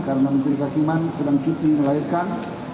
karena menteri kehakiman sedang cuti melahirkan